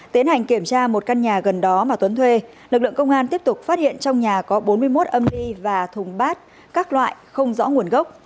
tiến hành kiểm tra một căn nhà gần đó mà tuấn thuê lực lượng công an tiếp tục phát hiện trong nhà có bốn mươi một âm ly và thùng bát các loại không rõ nguồn gốc